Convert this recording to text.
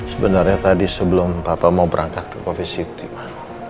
sebenarnya tadi sebelum papa mau berangkat ke covet city ma